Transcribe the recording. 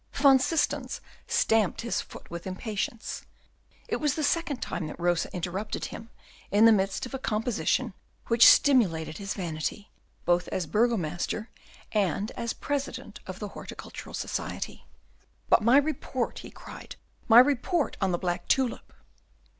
Van Systens stamped his foot with impatience; it was the second time that Rosa interrupted him in the midst of a composition which stimulated his vanity, both as a burgomaster and as President of the Horticultural Society. "But my report!" he cried, "my report on the black tulip!"